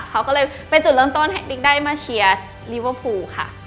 เขาก็เลยเป็นจุดเริ่มต้นให้ติ๊กได้มาเชียร์ลิเวอร์พูลค่ะ